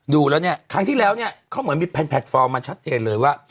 ดูแล้วเนี่ยครั้งที่แล้วเนี่ยเขาเหมือนมีแพลตฟอร์มมาชัดเจนเลยว่า